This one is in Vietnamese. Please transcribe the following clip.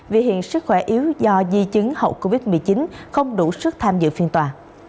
vì hiện sức khỏe yếu do di chứng hậu covid một mươi chín không đủ sức tham dự phiên tòa